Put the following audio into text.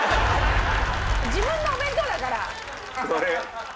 自分のお弁当だから。